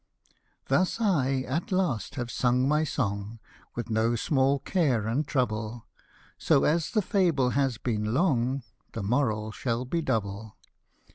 Thus, I, at last, have sung my song, With no small care and trouble ; So, as the fable has been long, The moral shall be double.